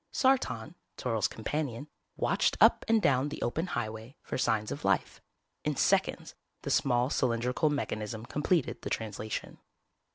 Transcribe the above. Sartan, Toryl's companion, watched up and down the open highway for signs of life. In seconds the small cylindrical mechanism completed the translation.